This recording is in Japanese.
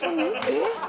えっ！？